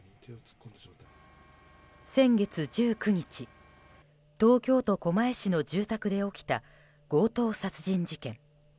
先月１９日、東京都狛江市の住宅で起きた強盗殺人事件。